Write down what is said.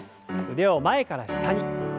腕を前から下に。